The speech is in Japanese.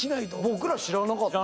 僕ら知らなかった。